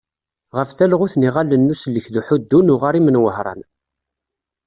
Ɣef talɣut n yiɣallen n usellek d uḥuddu n uɣarim n Wehran.